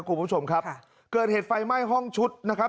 คุณผู้ชมครับเกิดเหตุไฟไหม้ห้องชุดนะครับ